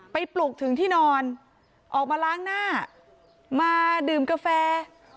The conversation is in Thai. ปลุกถึงที่นอนออกมาล้างหน้ามาดื่มกาแฟ